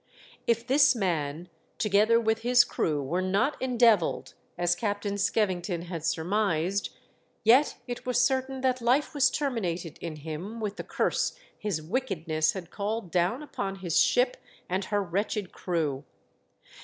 If this man, together with his crew, were not endevilled, as Captain Skevington had surmised, yet it was certain that life was terminated in him with the Curse his wickedness had called down upon his ship and her wretched crew.